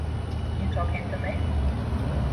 You talking to me?